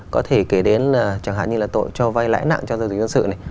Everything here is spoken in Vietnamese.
có thể kể đến là chẳng hạn như là tội cho vai lãi nặng cho giao dịch dân sự này